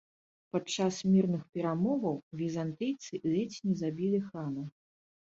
Падчас мірных перамоваў візантыйцы ледзь не забілі хана.